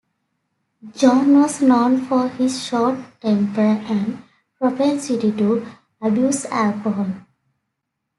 John was known for his short temper and propensity to abuse alcohol.